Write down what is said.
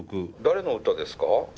誰の歌ですか？